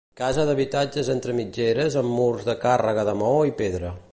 Casa d'habitatges entre mitgeres amb murs de càrrega de maó i pedra.